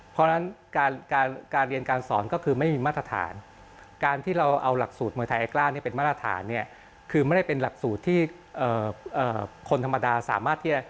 เพราะฉะนั้นการเรียนการสอนก็คือไม่มีมาตรฐาน